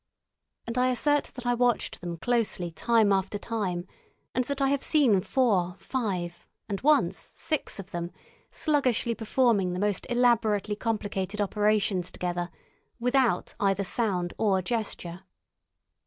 And I assert that I watched them closely time after time, and that I have seen four, five, and (once) six of them sluggishly performing the most elaborately complicated operations together without either sound or gesture.